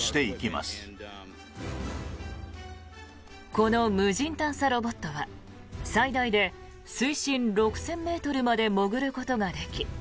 この無人探査ロボットは最大で水深６０００ｍまで潜ることができ